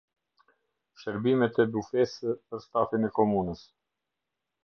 Sherbime te bufes për stafin e komunës